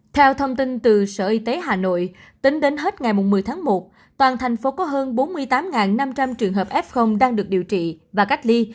theo thông tin từ sở y tế hà nội tính đến hết ngày một mươi tháng một toàn thành phố có hơn bốn mươi tám năm trăm linh trường hợp f đang được điều trị và cách ly